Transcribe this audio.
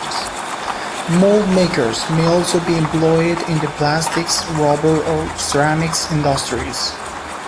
Moldmakers may also be employed in the plastics, rubber or ceramics industries.